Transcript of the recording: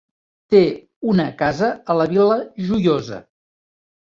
Té una casa a la Vila Joiosa.